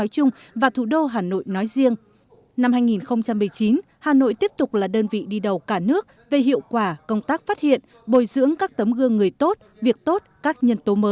phát biểu tại đêm doanh nghiệp hai nghìn một mươi chín các đại biểu nhấn mạnh